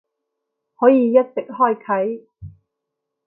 可以一直開啟